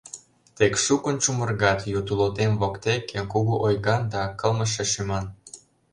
Тек шукын чумыргат ю тулотем воктеке Кугу ойган да кылмыше шӱман.